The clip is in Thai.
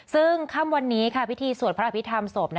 ซึ่งข้ามวันนี้ค่ะพิธีสวดพระอภิกษ์ธรรมศพ